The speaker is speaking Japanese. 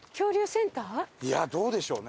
いやどうでしょうね？